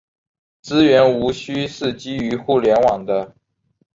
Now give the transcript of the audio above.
资源无需是基于互联网的。